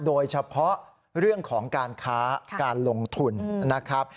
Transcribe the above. โดยเฉพาะเรื่องของการค้าการลงทุนนะครับ